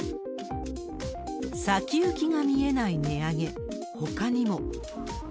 先行きが見えない値上げ、ほかにも。